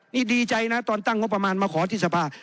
นี่ดีใจนะตอนตั้งงบประมาณมาขอที่สภา